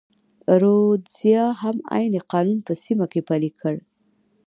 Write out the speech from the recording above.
رودزیا هم عین قانون په سیمه کې پلی کړ.